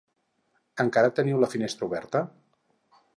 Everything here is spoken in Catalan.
Encara teniu la finestra oberta?